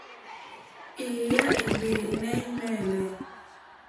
Èyà é ɡbɛ̀ɛ̀nɛ̀ ŋmɛ̂lɛ̂.